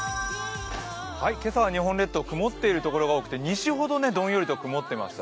今朝は日本列島、曇っているところが多くて、西ほどどんよりと曇っています